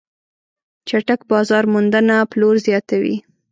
چټک بازار موندنه پلور زیاتوي.